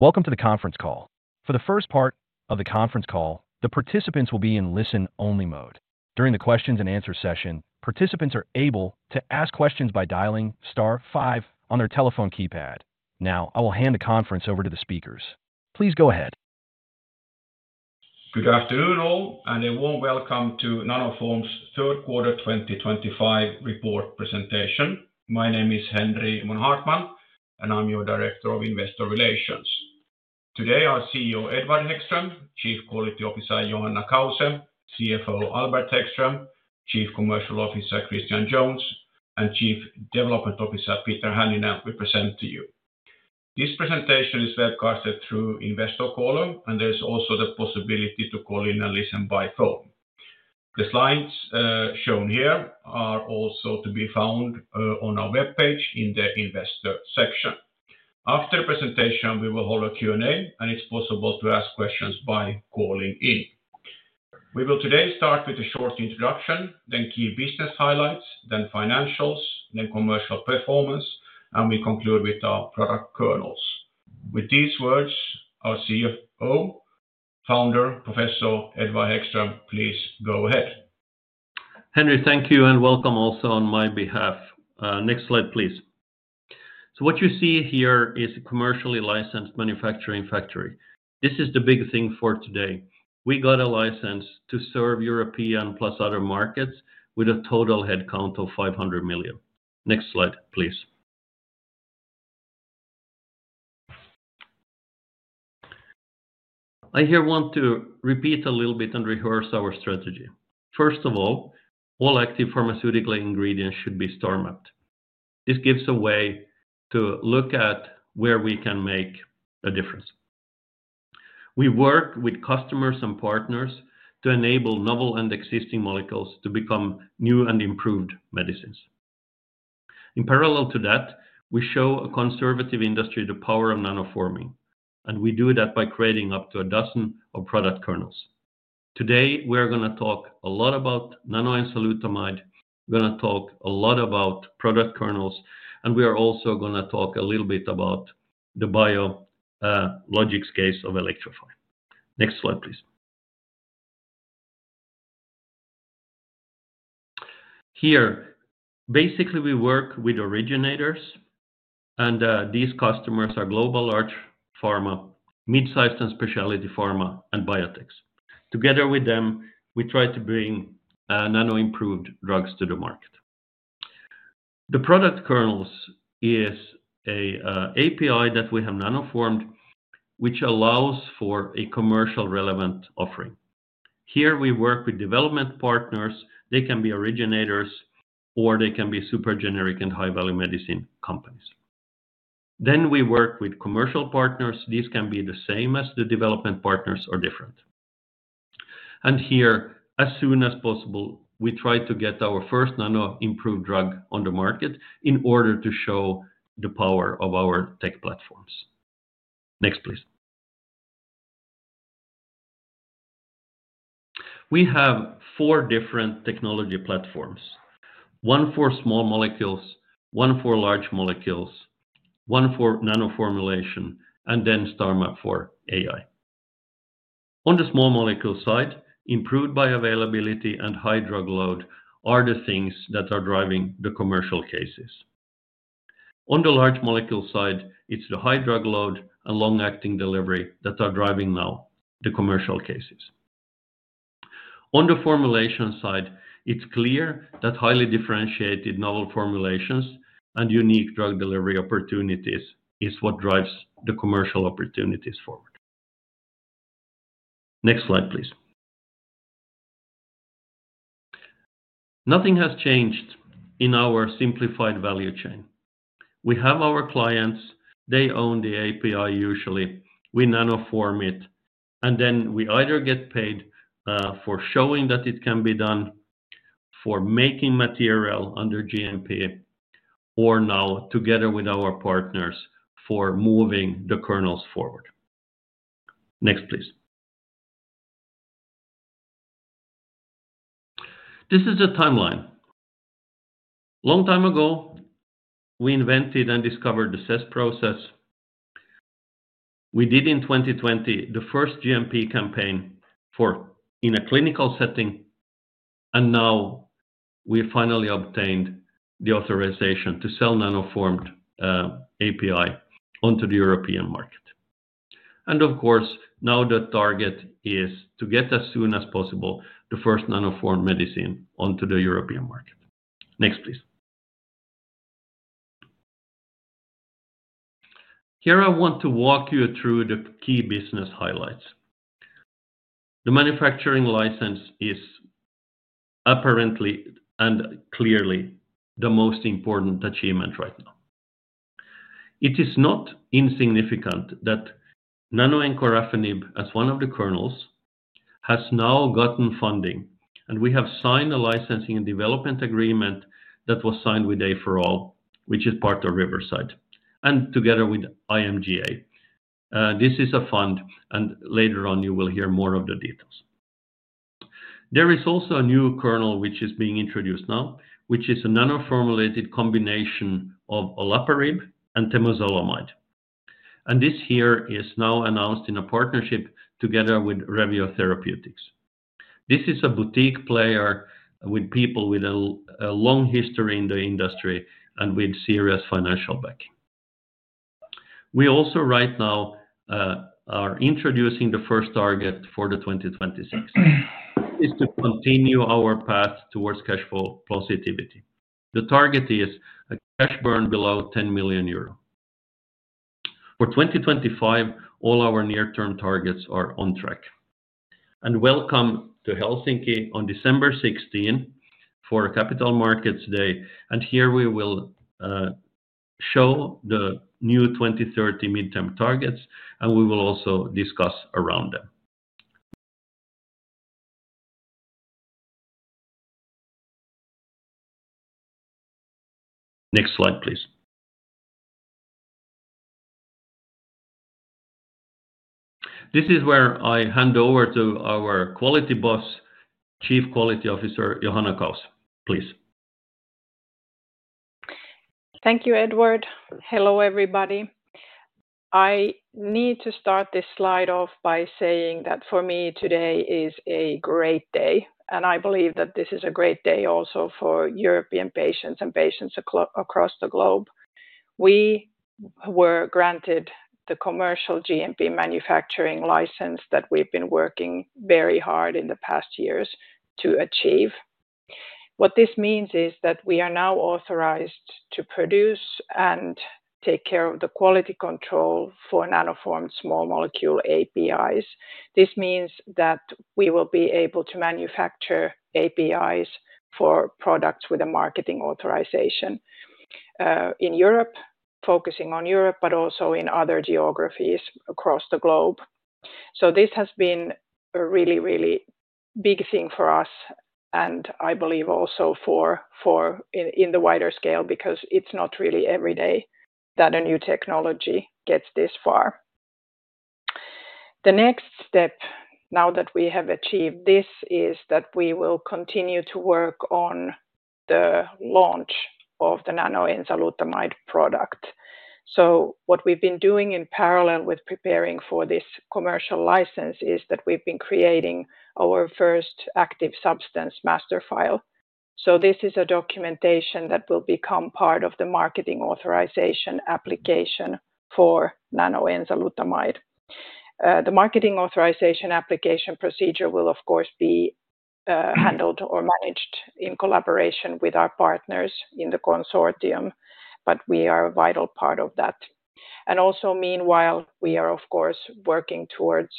Welcome to the conference call. For the first part of the conference call, the participants will be in listen-only mode. During the Q&A session, participants are able to ask questions by dialing *5 on their telephone keypad. Now, I will hand the conference over to the speakers. Please go ahead. Good afternoon, all, and a warm welcome to Nanoform's Q3 2025 report presentation. My name is Henri von Haartman, and I'm your Director of Investor Relations. Today, our CEO, Edward Hæggström; Chief Quality Officer, Johanna Kause; CFO, Albert Hæggström; Chief Commercial Officer, Christian Jones; and Chief Development Officer, Peter Hänninen, will present to you. This presentation is webcasted through Investor Caller, and there is also the possibility to call in and listen by phone. The slides shown here are also to be found on our webpage in the Investor section. After the presentation, we will hold a Q&A, and it's possible to ask questions by calling in. We will today start with a short introduction, then key business highlights, then financials, then commercial performance, and we conclude with our product kernels. With these words, our CFO, founder, Professor Edward Hæggström, please go ahead. Henri, thank you, and welcome also on my behalf. Next slide, please. What you see here is a commercially licensed manufacturing factory. This is the big thing for today. We got a license to serve European plus other markets with a total headcount of 500 million. Next slide, please. I here want to repeat a little bit and rehearse our strategy. First of all, all active pharmaceutical ingredients should be star-mapped. This gives a way to look at where we can make a difference. We work with customers and partners to enable novel and existing molecules to become new and improved medicines. In parallel to that, we show a conservative industry the power of nanoforming, and we do that by creating up to a dozen of product kernels. Today, we're going to talk a lot about Nanoenzalutamide. We're going to talk a lot about product kernels, and we are also going to talk a little bit about the biologics case of Elektrofi. Next slide, please. Here, basically, we work with originators, and these customers are global large pharma, mid-sized and specialty pharma, and biotechs. Together with them, we try to bring nano-improved drugs to the market. The product kernels is an API that we have nanoformed, which allows for a commercially relevant offering. Here, we work with development partners. They can be originators, or they can be super generic and high-value medicine companies. Then we work with commercial partners. These can be the same as the development partners or different. Here, as soon as possible, we try to get our first nano-improved drug on the market in order to show the power of our tech platforms. Next, please. We have four different technology platforms: one for small molecules, one for large molecules, one for nano formulation, and then star-mapped for AI. On the small molecule side, improved bioavailability and high drug load are the things that are driving the commercial cases. On the large molecule side, it's the high drug load and long-acting delivery that are driving now the commercial cases. On the formulation side, it's clear that highly differentiated novel formulations and unique drug delivery opportunities are what drive the commercial opportunities forward. Next slide, please. Nothing has changed in our simplified value chain. We have our clients. They own the API, usually. We nanoform it, and then we either get paid for showing that it can be done, for making material under GMP, or now, together with our partners, for moving the kernels forward. Next, please. This is a timeline. A long time ago, we invented and discovered the CESS process. We did, in 2020, the first GMP campaign in a clinical setting, and now we finally obtained the authorization to sell nanoformed API onto the European market. Of course, now the target is to get, as soon as possible, the first nanoformed medicine onto the European market. Next, please. Here I want to walk you through the key business highlights. The manufacturing license is apparently and clearly the most important achievement right now. It is not insignificant that nanoencorafenib, as one of the kernels, has now gotten funding, and we have signed a licensing and development agreement that was signed with A4O, which is part of Riverside, and together with IMGA. This is a fund, and later on, you will hear more of the details. There is also a new kernel which is being introduced now, which is a nano-formulated combination of olaparib and temozolomide. This here is now announced in a partnership together with Revio Therapeutics. This is a boutique player with people with a long history in the industry and with serious financial backing. We also, right now, are introducing the first target for 2026. This is to continue our path towards cash flow positivity. The target is a cash burn below 10 million euro. For 2025, all our near-term targets are on track. Welcome to Helsinki on December 16 for Capital Markets Day, and here we will show the new 2030 midterm targets, and we will also discuss around them. Next slide, please. This is where I hand over to our Quality Boss, Chief Quality Officer, Johanna Kause, please. Thank you, Edward. Hello, everybody. I need to start this slide off by saying that for me, today is a great day, and I believe that this is a great day also for European patients and patients across the globe. We were granted the commercial GMP manufacturing license that we've been working very hard in the past years to achieve. What this means is that we are now authorized to produce and take care of the quality control for nanoformed small molecule APIs. This means that we will be able to manufacture APIs for products with a marketing authorization in Europe, focusing on Europe, but also in other geographies across the globe. This has been a really, really big thing for us, and I believe also in the wider scale, because it's not really every day that a new technology gets this far. The next step, now that we have achieved this, is that we will continue to work on the launch of the Nanoenzalutamide product. What we have been doing in parallel with preparing for this commercial license is that we have been creating our first active substance master file. This is a documentation that will become part of the marketing authorization application for Nanoenzalutamide. The marketing authorization application procedure will, of course, be handled or managed in collaboration with our partners in the consortium, but we are a vital part of that. Also, meanwhile, we are, of course, working towards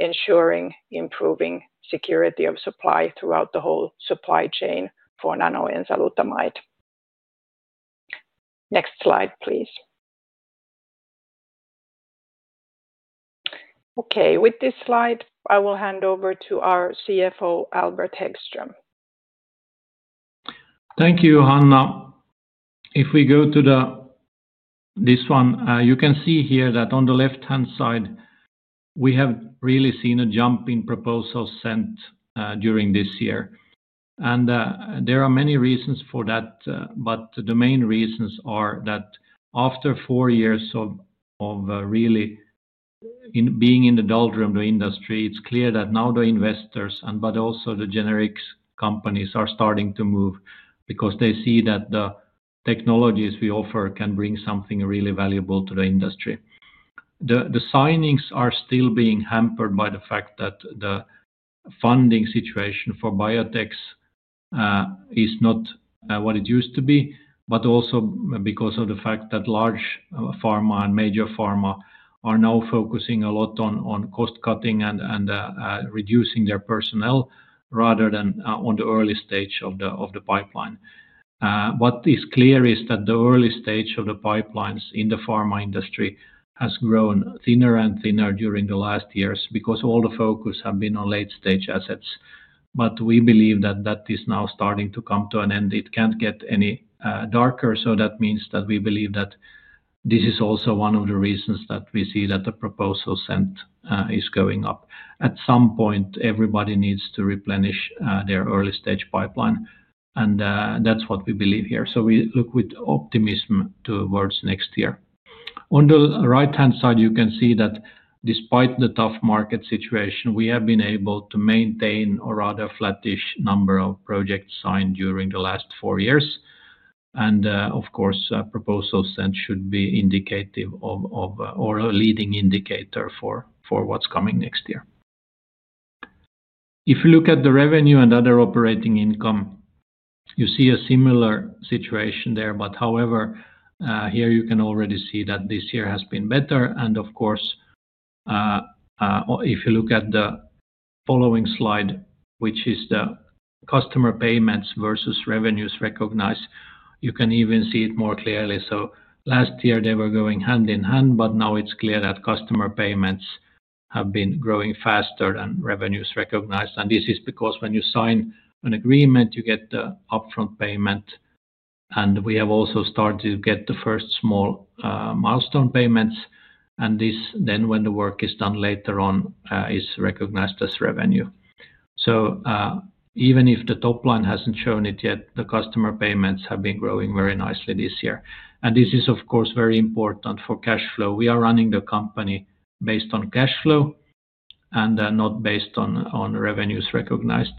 ensuring improving security of supply throughout the whole supply chain for Nanoenzalutamide. Next slide, please. Okay, with this slide, I will hand over to our CFO, Albert Hæggström. Thank you, Johanna. If we go to this one, you can see here that on the left-hand side, we have really seen a jump in proposals sent during this year. There are many reasons for that, but the main reasons are that after four years of really being in the doldrums of the industry, it's clear that now the investors, but also the generics companies, are starting to move because they see that the technologies we offer can bring something really valuable to the industry. The signings are still being hampered by the fact that the funding situation for biotechs is not what it used to be, but also because of the fact that large pharma and major pharma are now focusing a lot on cost-cutting and reducing their personnel rather than on the early stage of the pipeline. What is clear is that the early stage of the pipelines in the pharma industry has grown thinner and thinner during the last years because all the focus has been on late-stage assets. We believe that that is now starting to come to an end. It cannot get any darker, so that means that we believe that this is also one of the reasons that we see that the proposal sent is going up. At some point, everybody needs to replenish their early-stage pipeline, and that is what we believe here. We look with optimism towards next year. On the right-hand side, you can see that despite the tough market situation, we have been able to maintain a rather flattish number of projects signed during the last four years. Of course, proposals sent should be indicative of or a leading indicator for what is coming next year. If you look at the revenue and other operating income, you see a similar situation there. However, here you can already see that this year has been better. Of course, if you look at the following slide, which is the customer payments versus revenues recognized, you can even see it more clearly. Last year, they were going hand in hand, but now it is clear that customer payments have been growing faster than revenues recognized. This is because when you sign an agreement, you get the upfront payment, and we have also started to get the first small milestone payments. This, then when the work is done later on, is recognized as revenue. Even if the top line has not shown it yet, the customer payments have been growing very nicely this year. This is, of course, very important for cash flow. We are running the company based on cash flow and not based on revenues recognized.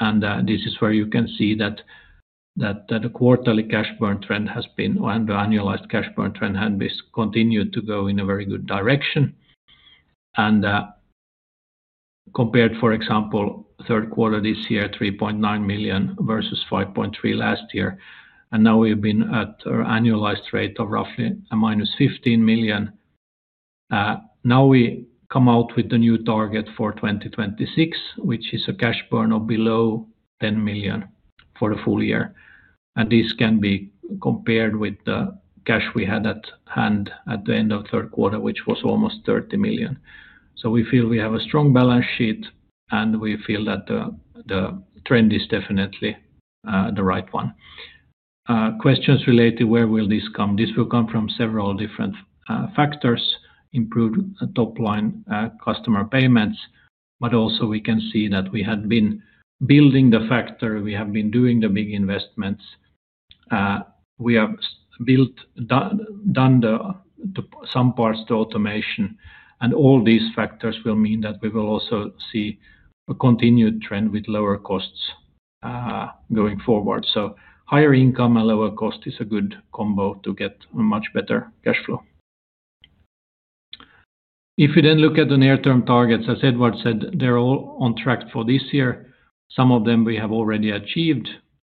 This is where you can see that the quarterly cash burn trend has been and the annualized cash burn trend has continued to go in a very good direction. Compared, for example, third quarter this year, 3.9 million versus 5.3 million last year. Now we have been at an annualized rate of roughly minus 15 million. Now we come out with the new target for 2026, which is a cash burn of below 10 million for the full year. This can be compared with the cash we had at hand at the end of third quarter, which was almost 30 million. We feel we have a strong balance sheet, and we feel that the trend is definitely the right one. Questions related to where will this come? This will come from several different factors: improved top-line customer payments, but also we can see that we had been building the factory. We have been doing the big investments. We have done some parts to automation, and all these factors will mean that we will also see a continued trend with lower costs going forward. Higher income and lower cost is a good combo to get a much better cash flow. If you then look at the near-term targets, as Edward said, they are all on track for this year. Some of them we have already achieved,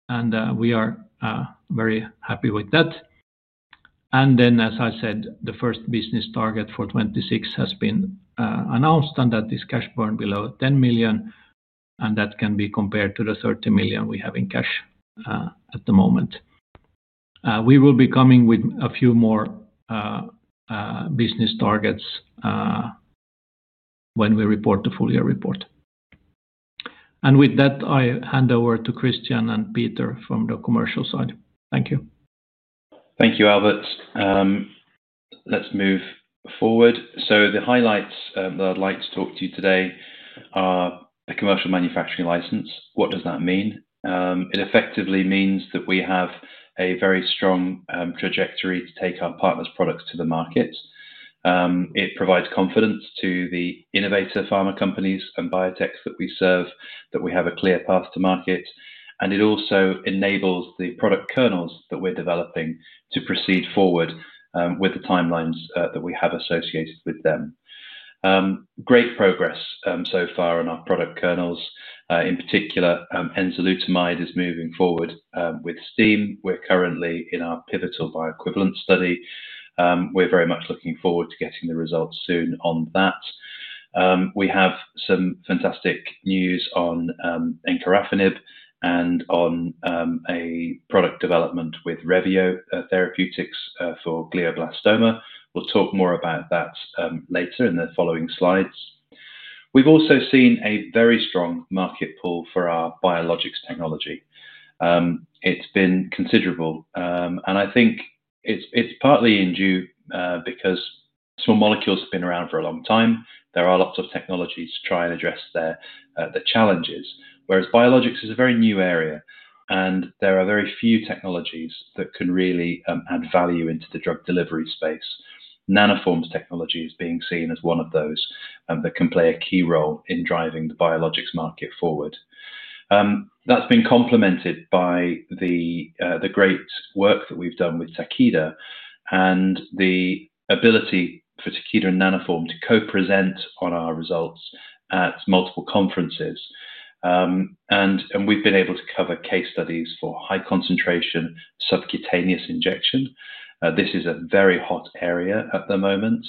and we are very happy with that. As I said, the first business target for 2026 has been announced, and that is cash burn below 10 million, and that can be compared to the 30 million we have in cash at the moment. We will be coming with a few more business targets when we report the full year report. With that, I hand over to Christian and Peter from the commercial side. Thank you. Thank you, Albert. Let's move forward. The highlights that I'd like to talk to you today are a commercial manufacturing license. What does that mean? It effectively means that we have a very strong trajectory to take our partners' products to the market. It provides confidence to the innovator pharma companies and biotechs that we serve that we have a clear path to market. It also enables the product kernels that we're developing to proceed forward with the timelines that we have associated with them. Great progress so far in our product kernels. In particular, enzalutamide is moving forward with steam. We're currently in our pivotal bioequivalence study. We're very much looking forward to getting the results soon on that. We have some fantastic news on encorafenib and on a product development with Revio Therapeutics for glioblastoma. We'll talk more about that later in the following slides. We've also seen a very strong market pull for our biologics technology. It's been considerable, and I think it's partly in due because small molecules have been around for a long time. There are lots of technologies to try and address their challenges, whereas biologics is a very new area, and there are very few technologies that can really add value into the drug delivery space. Nanoform's technology is being seen as one of those that can play a key role in driving the biologics market forward. That's been complemented by the great work that we've done with Takeda and the ability for Takeda and Nanoform to co-present on our results at multiple conferences. We've been able to cover case studies for high concentration subcutaneous injection. This is a very hot area at the moment.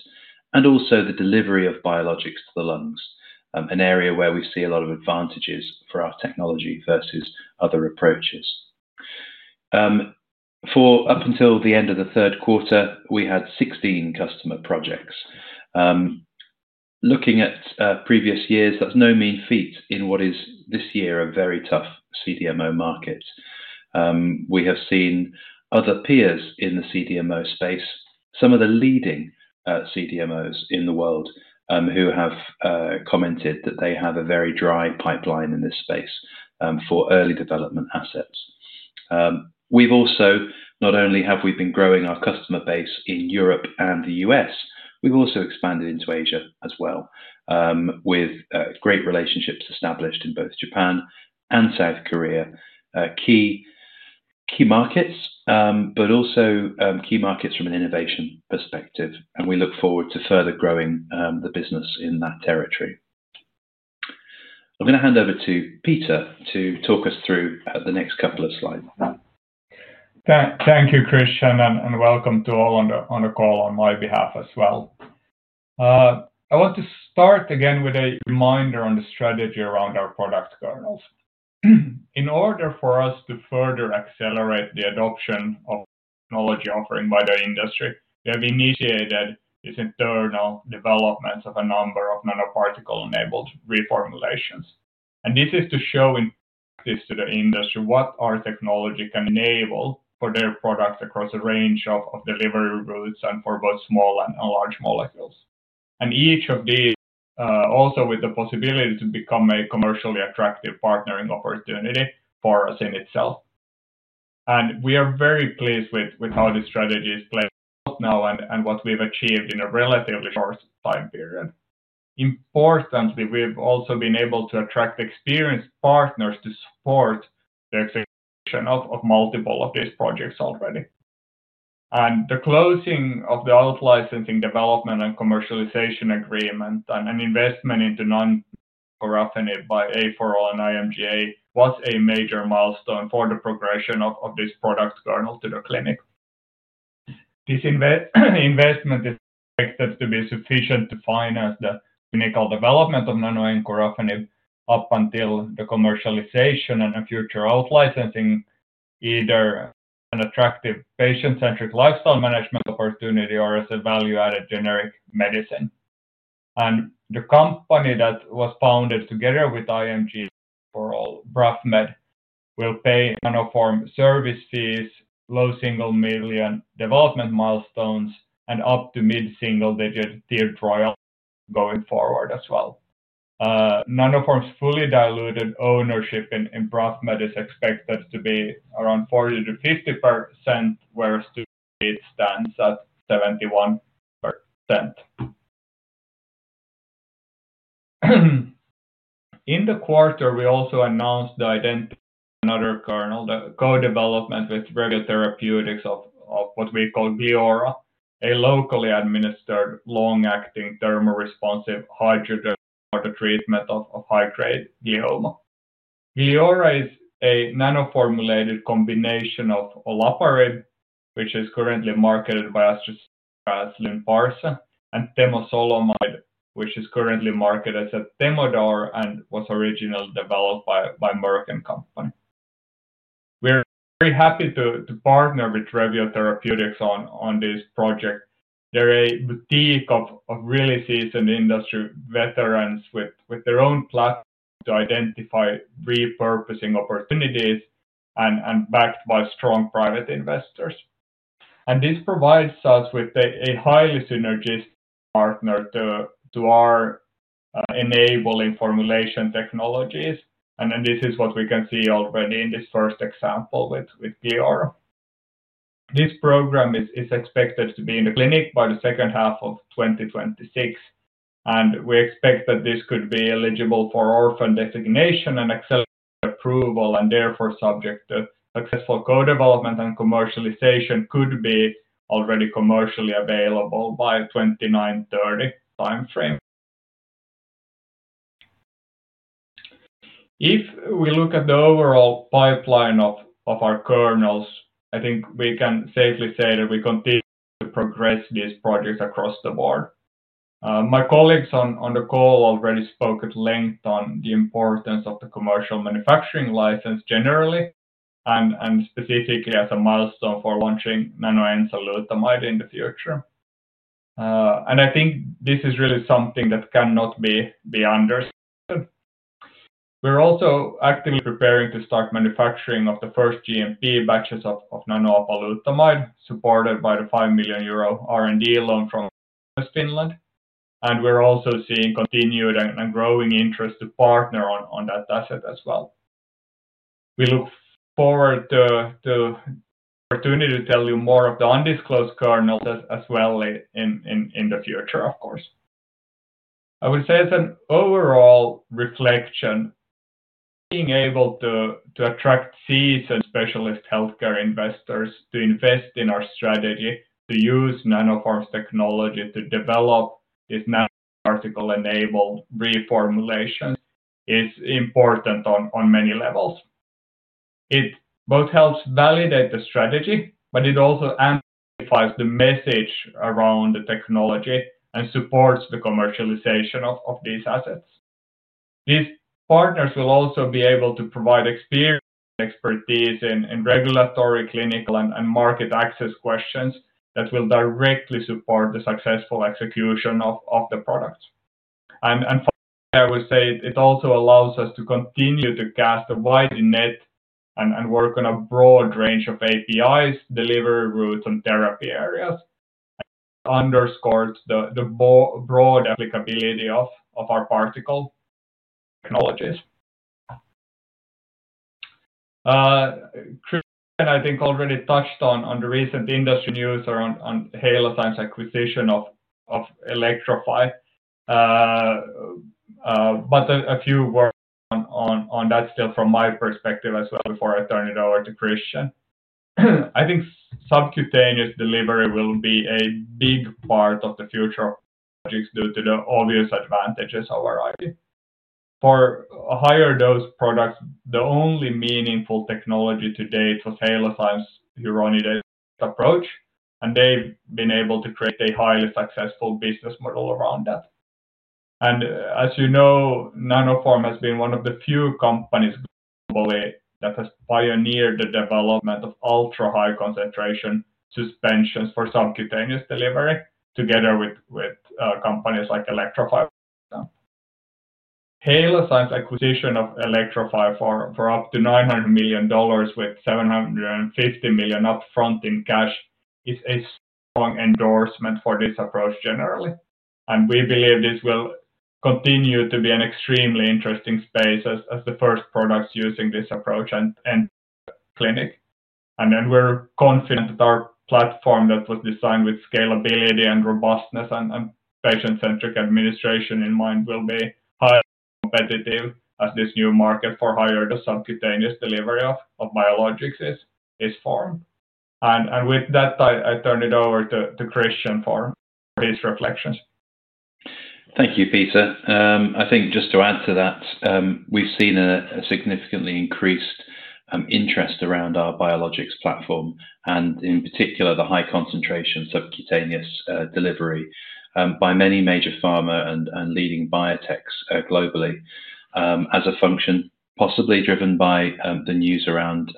Also, the delivery of biologics to the lungs is an area where we see a lot of advantages for our technology versus other approaches. Up until the end of the third quarter, we had 16 customer projects. Looking at previous years, that's no mean feat in what is this year a very tough CDMO market. We have seen other peers in the CDMO space, some of the leading CDMOs in the world, who have commented that they have a very dry pipeline in this space for early development assets. We've also not only been growing our customer base in Europe and the U.S., we've expanded into Asia as well, with great relationships established in both Japan and South Korea, key markets, but also key markets from an innovation perspective. We look forward to further growing the business in that territory. I'm going to hand over to Peter to talk us through the next couple of slides. Thank you, Christian, and welcome to all on the call on my behalf as well. I want to start again with a reminder on the strategy around our product kernels. In order for us to further accelerate the adoption of technology offering by the industry, we have initiated this internal development of a number of nanoparticle-enabled reformulations. This is to show in practice to the industry what our technology can enable for their product across a range of delivery routes and for both small and large molecules. Each of these, also with the possibility to become a commercially attractive partnering opportunity for us in itself. We are very pleased with how the strategy is playing out now and what we have achieved in a relatively short time period. Importantly, we have also been able to attract experienced partners to support the execution of multiple of these projects already. The closing of the outlicensing development and commercialization agreement and investment into Nanoencorafenib by A4O and IMGA was a major milestone for the progression of this product kernel to the clinic. This investment is expected to be sufficient to finance the clinical development of Nanoencorafenib up until the commercialization and a future outlicensing, either an attractive patient-centric lifestyle management opportunity or as a value-added generic medicine. The company that was founded together with IMGA, A4O, BRAFMed, will pay Nanoform service fees, low single million development milestones, and up to mid-single digit tiered royalty going forward as well. Nanoform's fully diluted ownership in BRAFMed is expected to be around 40%-50%, whereas to date, it stands at 71%. In the quarter, we also announced the identity of another kernel, the co-development with Revio Therapeutics of what we call GLIORA, a locally administered long-acting thermoresponsive hydrogel for the treatment of high-grade glioma. GLIORA is a nanoformulated combination of olaparib, which is currently marketed by AstraZeneca as Lynparza, and temozolomide, which is currently marketed as Temodar and was originally developed by Merck & Co. We're very happy to partner with Revio Therapeutics on this project. They're a boutique of really seasoned industry veterans with their own platform to identify repurposing opportunities and backed by strong private investors. This provides us with a highly synergistic partner to our enabling formulation technologies. This is what we can see already in this first example with GLIORA. This program is expected to be in the clinic by the second half of 2026. We expect that this could be eligible for orphan designation and accelerated approval, and therefore subject to successful co-development and commercialization could be already commercially available by the 2930 timeframe. If we look at the overall pipeline of our kernels, I think we can safely say that we continue to progress these projects across the board. My colleagues on the call already spoke at length on the importance of the commercial manufacturing license generally and specifically as a milestone for launching Nanoenzalutamide in the future. I think this is really something that cannot be understated. We are also actively preparing to start manufacturing of the first GMP batches of Nanoapalutamide supported by the 5 million euro R&D loan from Finland. We are also seeing continued and growing interest to partner on that asset as well. We look forward to the opportunity to tell you more of the undisclosed kernels as well in the future, of course. I would say as an overall reflection, being able to attract seasoned specialist healthcare investors to invest in our strategy, to use Nanoform's technology to develop these nanoparticle-enabled reformulations is important on many levels. It both helps validate the strategy, but it also amplifies the message around the technology and supports the commercialization of these assets. These partners will also be able to provide experience and expertise in regulatory, clinical, and market access questions that will directly support the successful execution of the product. Finally, I would say it also allows us to continue to cast a wide net and work on a broad range of APIs, delivery routes, and therapy areas. It underscores the broad applicability of our particle technologies. Christian, I think, already touched on the recent industry news around Halozyme's acquisition of Elektrofi. A few words on that still from my perspective as well before I turn it over to Christian. I think subcutaneous delivery will be a big part of the future of projects due to the obvious advantages of our IP. For higher dose products, the only meaningful technology to date was Halozyme's hyaluronidase approach, and they've been able to create a highly successful business model around that. As you know, Nanoform has been one of the few companies globally that has pioneered the development of ultra-high concentration suspensions for subcutaneous delivery together with companies like Elektrofi, for example. Halozyme's acquisition of Elektrofi for up to $900 million with $750 million upfront in cash is a strong endorsement for this approach generally. We believe this will continue to be an extremely interesting space as the first products using this approach are in clinic. We are confident that our platform that was designed with scalability and robustness and patient-centric administration in mind will be highly competitive as this new market for higher dose subcutaneous delivery of biologics is formed. With that, I turn it over to Christian for his reflections. Thank you, Peter. I think just to add to that, we've seen a significantly increased interest around our biologics platform, and in particular, the high concentration subcutaneous delivery by many major pharma and leading biotechs globally as a function possibly driven by the news around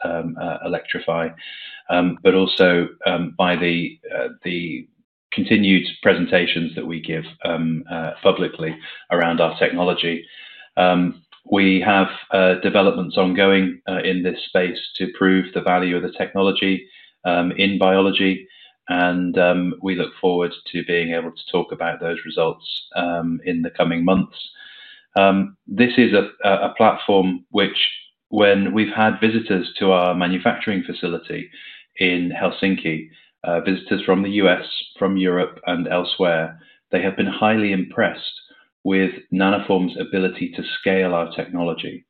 Elektrofi, but also by the continued presentations that we give publicly around our technology. We have developments ongoing in this space to prove the value of the technology in biology, and we look forward to being able to talk about those results in the coming months. This is a platform which, when we've had visitors to our manufacturing facility in Helsinki, visitors from the U.S., from Europe, and elsewhere, they have been highly impressed with Nanoform's ability to scale our technology.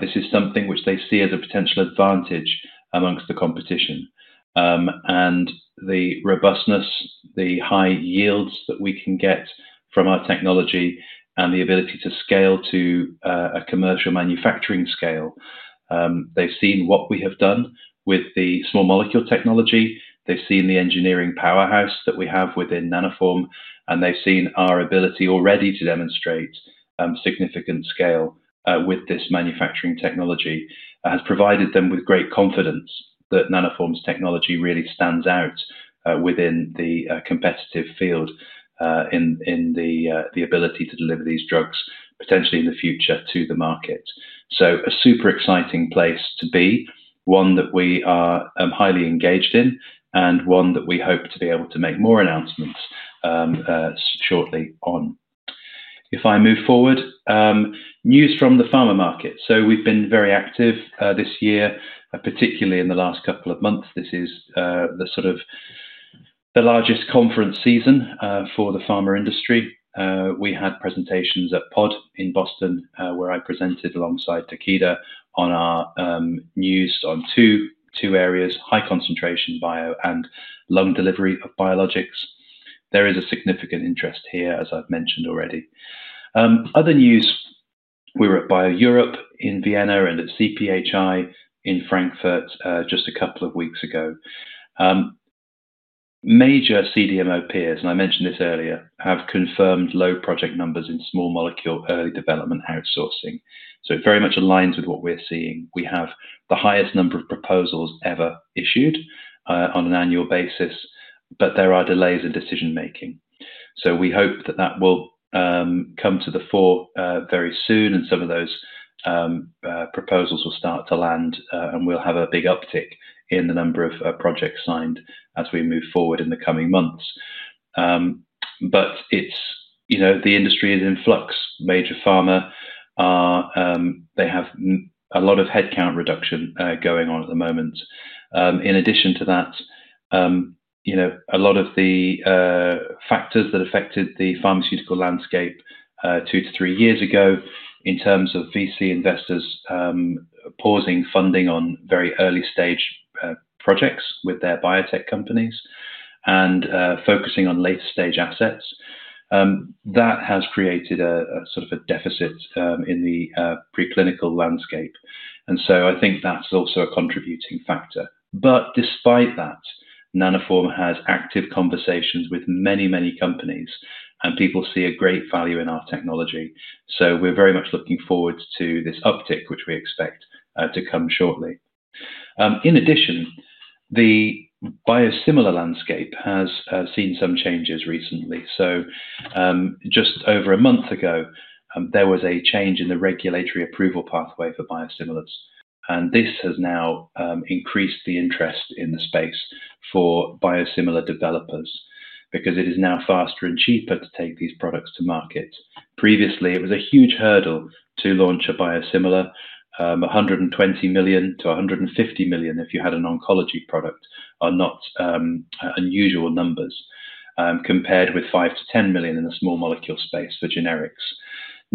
This is something which they see as a potential advantage amongst the competition. The robustness, the high yields that we can get from our technology, and the ability to scale to a commercial manufacturing scale, they've seen what we have done with the small molecule technology. They've seen the engineering powerhouse that we have within Nanoform, and they've seen our ability already to demonstrate significant scale with this manufacturing technology. It has provided them with great confidence that Nanoform's technology really stands out within the competitive field in the ability to deliver these drugs potentially in the future to the market. A super exciting place to be, one that we are highly engaged in, and one that we hope to be able to make more announcements shortly on. If I move forward, news from the pharma market. We have been very active this year, particularly in the last couple of months. This is the sort of the largest conference season for the pharma industry. We had presentations at PODD in Boston, where I presented alongside Takeda on our news on two areas: high concentration bio and lung delivery of biologics. There is a significant interest here, as I've mentioned already. Other news, we were at Bio-Europe in Vienna and at CPHI in Frankfurt just a couple of weeks ago. Major CDMO peers, and I mentioned this earlier, have confirmed low project numbers in small molecule early development outsourcing. It very much aligns with what we're seeing. We have the highest number of proposals ever issued on an annual basis, but there are delays in decision-making. We hope that that will come to the fore very soon, and some of those proposals will start to land, and we'll have a big uptick in the number of projects signed as we move forward in the coming months. The industry is in flux. Major pharma, they have a lot of headcount reduction going on at the moment. In addition to that, a lot of the factors that affected the pharmaceutical landscape two to three years ago in terms of VC investors pausing funding on very early stage projects with their biotech companies and focusing on late stage assets, that has created a sort of a deficit in the preclinical landscape. I think that's also a contributing factor. Despite that, Nanoform has active conversations with many, many companies, and people see a great value in our technology. We're very much looking forward to this uptick, which we expect to come shortly. In addition, the biosimilar landscape has seen some changes recently. Just over a month ago, there was a change in the regulatory approval pathway for biosimilars. This has now increased the interest in the space for biosimilar developers because it is now faster and cheaper to take these products to market. Previously, it was a huge hurdle to launch a biosimilar. 120 million-150 million, if you had an oncology product, are not unusual numbers compared with 5 million-10 million in the small molecule space for generics.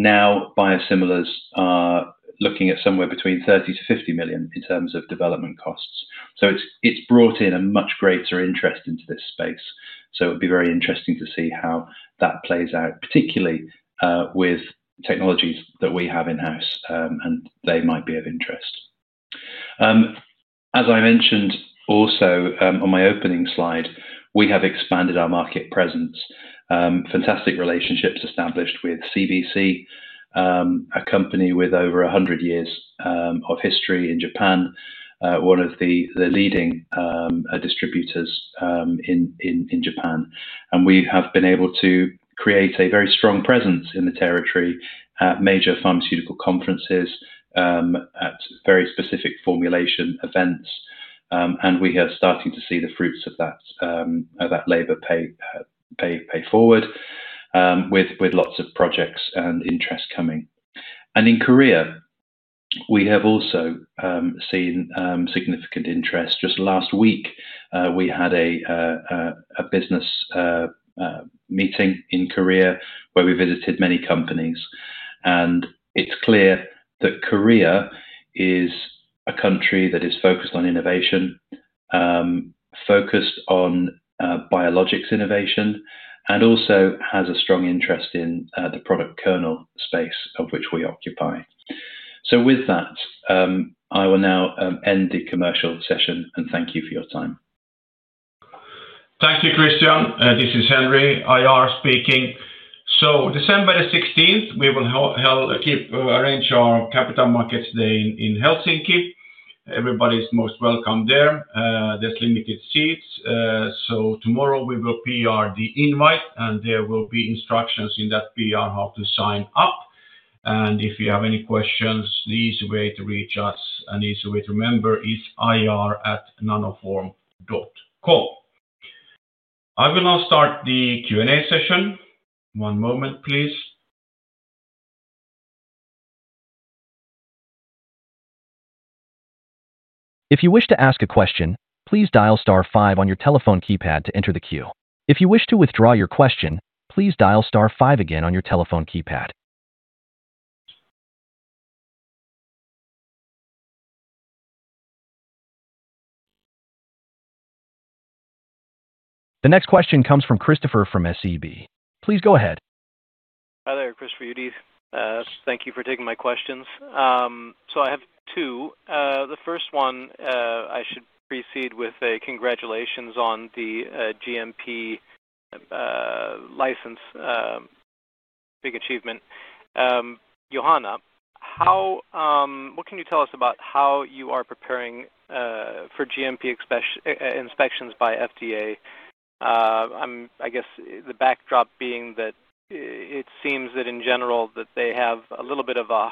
Now, biosimilars are looking at somewhere between 30 million-50 million in terms of development costs. It's brought in a much greater interest into this space. It would be very interesting to see how that plays out, particularly with technologies that we have in-house, and they might be of interest. As I mentioned also on my opening slide, we have expanded our market presence. Fantastic relationships established with CBC, a company with over 100 years of history in Japan, one of the leading distributors in Japan. We have been able to create a very strong presence in the territory at major pharmaceutical conferences, at very specific formulation events. We are starting to see the fruits of that labor pay forward with lots of projects and interest coming. In Korea, we have also seen significant interest. Just last week, we had a business meeting in Korea where we visited many companies. It is clear that Korea is a country that is focused on innovation, focused on biologics innovation, and also has a strong interest in the product kernel space of which we occupy. With that, I will now end the commercial session and thank you for your time. Thank you, Christian. This is Henri IR speaking. December the 16th, we will keep arranged our Capital Markets Day in Helsinki. Everybody is most welcome there. There are limited seats. Tomorrow we will PR the invite, and there will be instructions in that PR how to sign up. If you have any questions, the easy way to reach us and easy way to remember is ir@nanoform.com. I will now start the Q&A session. One moment, please. If you wish to ask a question, please dial star 5 on your telephone keypad to enter the queue. If you wish to withdraw your question, please dial star 5 again on your telephone keypad. The next question comes from Christopher from SEB. Please go ahead. Hi there, [Chris Uhde]. Thank you for taking my questions. I have two. The first one, I should precede with a congratulations on the GMP license. Big achievement. Johanna, what can you tell us about how you are preparing for GMP inspections by FDA? I guess the backdrop being that it seems that in general they have a little bit of a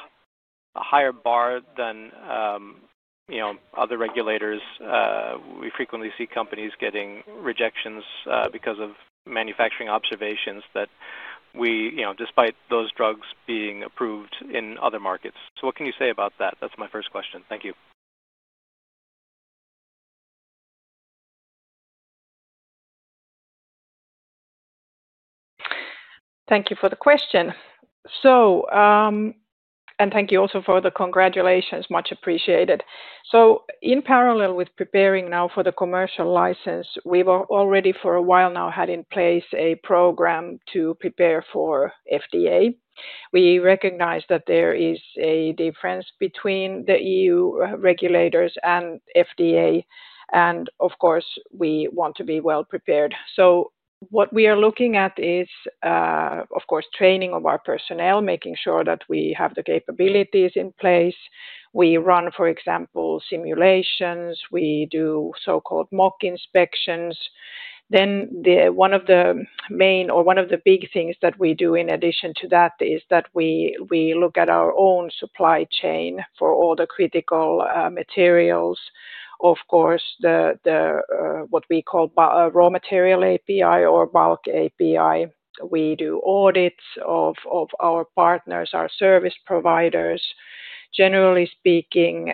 higher bar than other regulators. We frequently see companies getting rejections because of manufacturing observations, despite those drugs being approved in other markets. What can you say about that? That's my first question. Thank you. Thank you for the question. Thank you also for the congratulations. Much appreciated. In parallel with preparing now for the commercial license, we've already for a while now had in place a program to prepare for FDA. We recognize that there is a difference between the EU regulators and FDA. Of course, we want to be well prepared. What we are looking at is, of course, training of our personnel, making sure that we have the capabilities in place. We run, for example, simulations. We do so-called mock inspections. One of the main or one of the big things that we do in addition to that is that we look at our own supply chain for all the critical materials. Of course, what we call raw material API or bulk API. We do audits of our partners, our service providers. Generally speaking,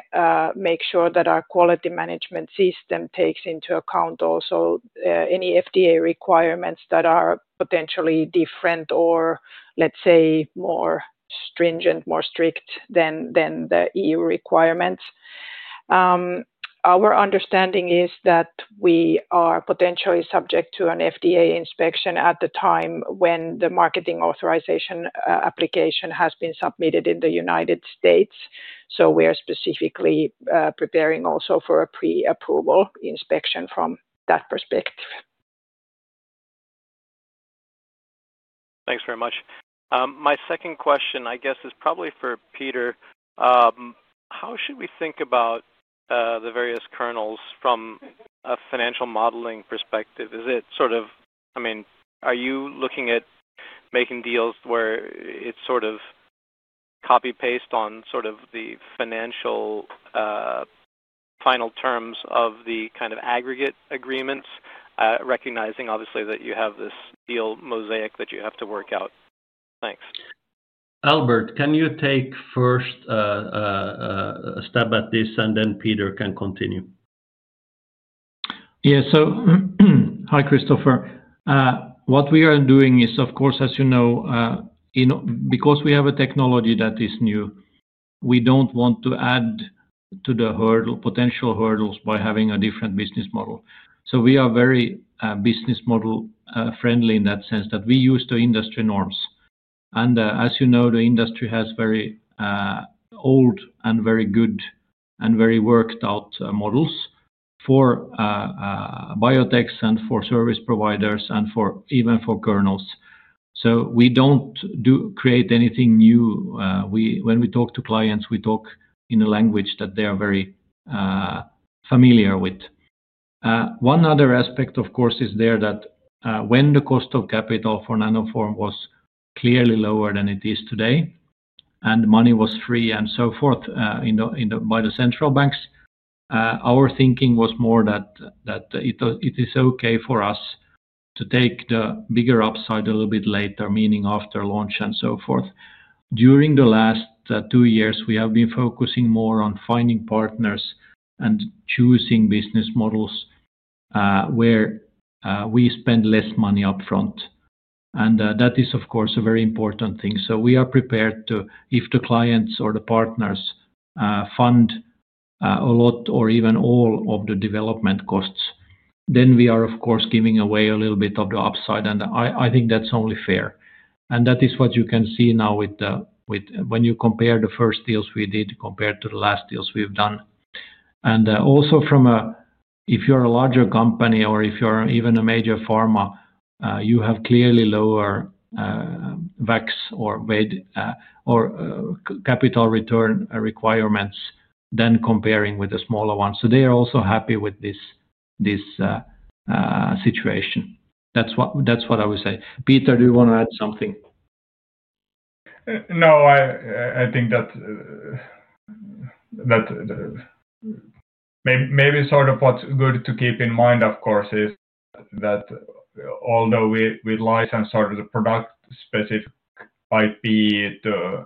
make sure that our quality management system takes into account also any FDA requirements that are potentially different or, let's say, more stringent, more strict than the EU requirements. Our understanding is that we are potentially subject to an FDA inspection at the time when the marketing authorization application has been submitted in the United States. We are specifically preparing also for a pre-approval inspection from that perspective. Thanks very much. My second question, I guess, is probably for Peter. How should we think about the various kernels from a financial modeling perspective? Is it sort of, I mean, are you looking at making deals where it's sort of copy-paste on sort of the financial final terms of the kind of aggregate agreements, recognizing obviously that you have this deal mosaic that you have to work out? Thanks. Albert, can you take first a stab at this, and then Peter can continue? Yeah. Hi, Christopher. What we are doing is, of course, as you know, because we have a technology that is new, we do not want to add to the potential hurdles by having a different business model. We are very business model friendly in that sense that we use the industry norms. As you know, the industry has very old and very good and very worked out models for biotechs and for service providers and even for kernels. We do not create anything new. When we talk to clients, we talk in a language that they are very familiar with. One other aspect, of course, is there that when the cost of capital for Nanoform was clearly lower than it is today, and money was free and so forth by the central banks, our thinking was more that it is okay for us to take the bigger upside a little bit later, meaning after launch and so forth. During the last two years, we have been focusing more on finding partners and choosing business models where we spend less money upfront. That is, of course, a very important thing. We are prepared to, if the clients or the partners fund a lot or even all of the development costs, then we are, of course, giving away a little bit of the upside. I think that's only fair. That is what you can see now when you compare the first deals we did compared to the last deals we've done. Also, if you're a larger company or if you're even a major pharma, you have clearly lower VAX or capital return requirements than comparing with a smaller one. They are also happy with this situation. That's what I would say. Peter, do you want to add something? No, I think that maybe sort of what's good to keep in mind, of course, is that although we license sort of the product specific IP to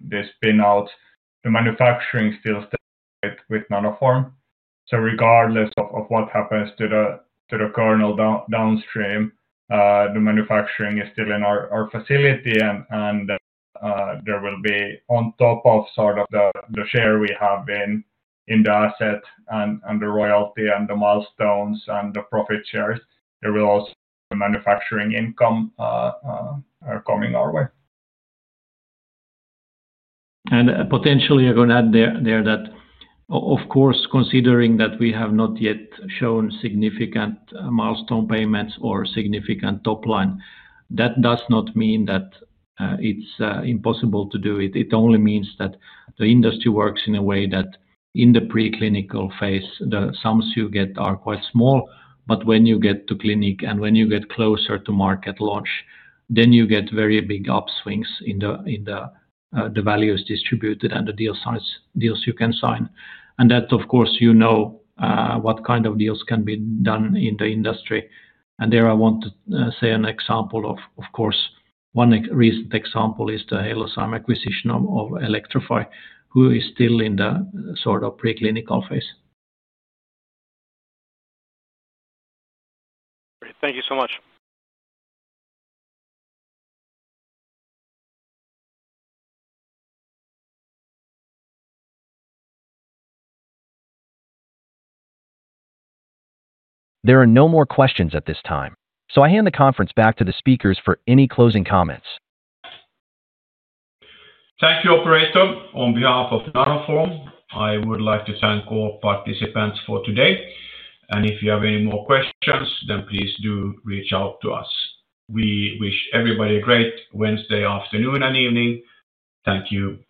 this spin-out, the manufacturing still stays with Nanoform. So regardless of what happens to the kernel downstream, the manufacturing is still in our facility, and there will be, on top of sort of the share we have in the asset and the royalty and the milestones and the profit shares, there will also be manufacturing income coming our way. Potentially, I'm going to add there that, of course, considering that we have not yet shown significant milestone payments or significant top line, that does not mean that it's impossible to do it. It only means that the industry works in a way that in the preclinical phase, the sums you get are quite small. When you get to clinic and when you get closer to market launch, you get very big upswings in the values distributed and the deals you can sign. You know what kind of deals can be done in the industry. There I want to say an example of, of course, one recent example is the Halozyme acquisition of Elektrofi, who is still in the sort of preclinical phase. Thank you so much. There are no more questions at this time, so I hand the conference back to the speakers for any closing comments. Thank you, Operator. On behalf of Nanoform, I would like to thank all participants for today. If you have any more questions, then please do reach out to us. We wish everybody a great Wednesday afternoon and evening. Thank you.